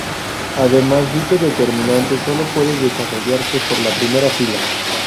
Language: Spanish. Además dicho determinante sólo puede desarrollarse por la primera fila.